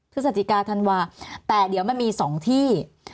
พฤศจิกาธันวาแต่เดี๋ยวมันมี๒ที่